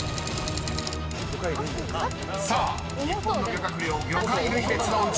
［さあ日本の漁獲量魚介類別のウチワケ］